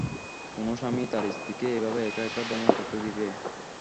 কোন স্বামী তার স্ত্রী কে এভাবে একা একা ভ্রমন করতে দিবে?